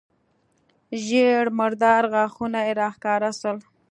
ژېړ مردار غاښونه يې راښکاره سول.